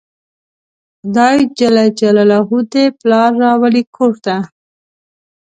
خدای ج دې پلار راولي کور ته